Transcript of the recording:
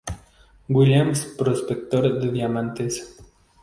Williams, prospector de diamantes.